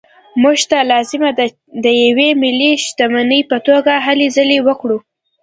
موږ ته لازمه ده د یوې ملي شتمنۍ په توګه هلې ځلې وکړو.